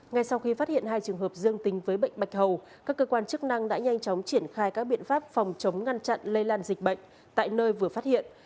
ngay sau khi phát hiện hai trường hợp dương tính với bệnh bạch hầu các cơ quan chức năng đã nhanh chóng triển khai các biện pháp phòng chống ngăn chặn lây lan dịch bệnh tại nơi vừa phát hiện